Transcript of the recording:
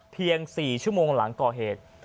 เพียง๔ชั่วโมงหลังก่อเหตุ